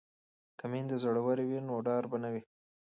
که میندې زړورې وي نو ډار به نه وي.